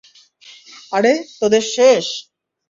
আরে, তোদের শেষ?